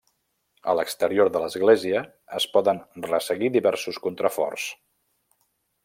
A l'exterior de l'església es poden resseguir diversos contraforts.